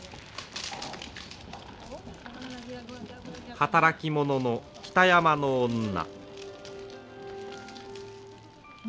働き者の北山の女。